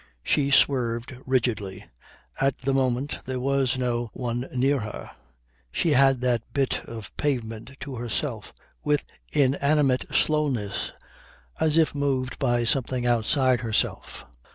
She swerved rigidly at the moment there was no one near her; she had that bit of pavement to herself with inanimate slowness as if moved by something outside herself.